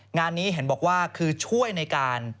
งานนี้เห็นบอกว่าคือช่วยในการ